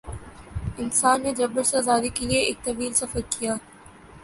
انسان نے جبر سے آزادی کے لیے ایک طویل سفر کیا ہے۔